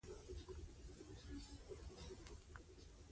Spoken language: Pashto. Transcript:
انا له نیکمرغۍ سره ژوند کوي